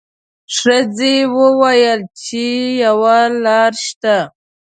ښځې وویل چې یوه لار شته.